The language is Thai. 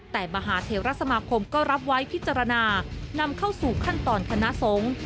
แต่มหาเทวรัฐสมาคมก็รับไว้พิจารณานำเข้าสู่ขั้นตอนคณะสงฆ์